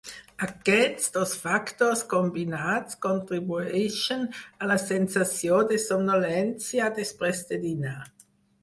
Aquests dos factors combinats contribueixen a la sensació de somnolència després de dinar.